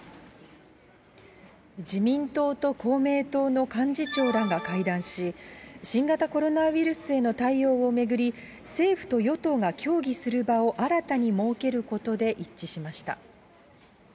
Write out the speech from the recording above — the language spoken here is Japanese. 自民党と公明党の幹事長らが会談し、新型コロナウイルスへの対応を巡り、政府と与党が協議する場を新たに設けることで一致しました。